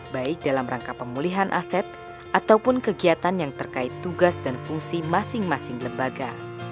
baik dalam rangka pemulihan aset ataupun kegiatan yang terkait tugas dan fungsi masing masing lembaga